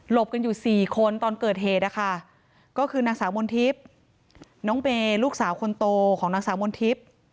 กันอยู่สี่คนตอนเกิดเหตุนะคะก็คือนางสาวมนทิพย์น้องเบย์ลูกสาวคนโตของนางสาวมนทิพย์